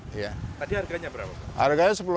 tadi harganya berapa pak